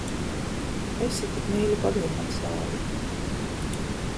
Esi tik mīļa, padod man sāli.